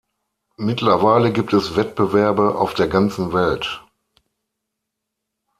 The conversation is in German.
Mittlerweile gibt es Wettbewerbe auf der ganzen Welt.